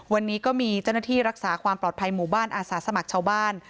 วันนี้ก็มีเจ้าหน้าที่รักษาความปลอดภัยหมู่บ้านอาสาสมัครชาวบ้าน